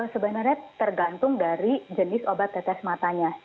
sebenarnya tergantung dari jenis obat tetes matanya